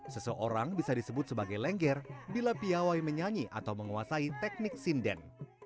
seseorang bisa disebut sebagai lengger bila piawai menyanyi atau menguasai teknik sinden